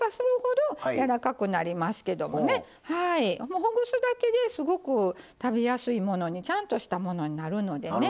もうほぐすだけですごく食べやすいものにちゃんとしたものになるのでね。